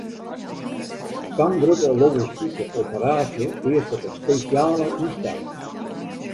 Sa'n grutte logistike operaasje easket in spesjale ynstelling.